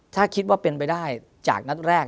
ถ้าคิดว่าเป็นไปได้จากนัดแรก